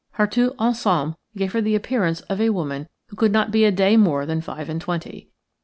Her tout ensemble gave her the appearance of a woman who could not be a day more than five and twenty.